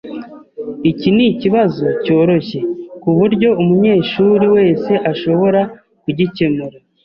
Iki nikibazo cyoroshye kuburyo umunyeshuri wese ashobora kugikemura.